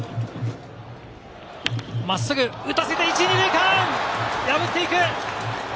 真っすぐ打たせて、１・２塁間、破っていく！